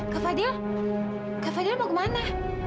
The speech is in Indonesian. kak fadil kak fadil mau kemana